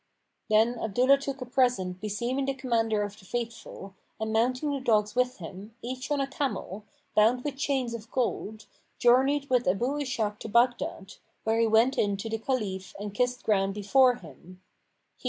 Then Abdullah took a present beseeming the Commander of the Faithful and mounting the dogs with him, each on a camel, bound with chains[FN#485] of gold, journeyed with Abu Ishak to Baghdad, where he went in to the Caliph and kissed ground before him.